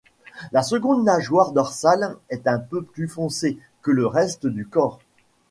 La seconde nageoire dorsale est un peu plus foncée que le reste du corps.